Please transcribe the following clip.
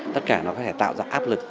tất cả nó có thể tạo ra áp lực